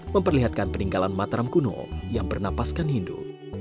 memperlihatkan peninggalan mataram kuno yang bernapaskan hindu